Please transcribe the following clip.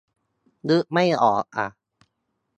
นึกไม่ออกอ่ะ